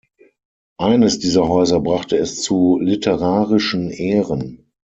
Eines dieser Häuser brachte es zu literarischen Ehren.